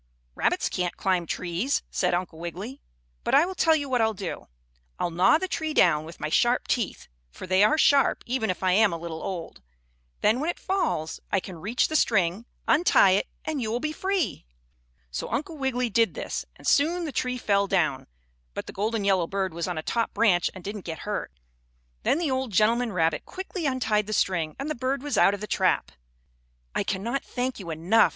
"Rabbits can't climb trees," said Uncle Wiggily. "But I will tell you what I'll do. I'll gnaw the tree down with my sharp teeth, for they are sharp, even if I am a little old. Then, when it falls, I can reach the string, untie it, and you will be free." So Uncle Wiggily did this, and soon the tree fell down, but the golden yellow bird was on a top branch and didn't get hurt. Then the old gentleman rabbit quickly untied the string and the bird was out of the trap. "I cannot thank you enough!"